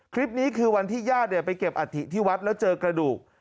คลิปนี้คือวันที่ญาติไปเก็บอัฐิที่วัดแล้วเจอกระดูก